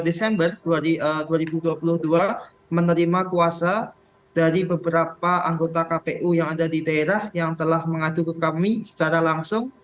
desember dua ribu dua puluh dua menerima kuasa dari beberapa anggota kpu yang ada di daerah yang telah mengadu ke kami secara langsung